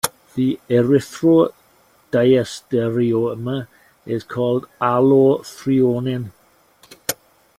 The "erythro" diastereomer is called "allo"-threonine.